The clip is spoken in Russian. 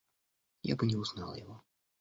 Я бы не узнала его.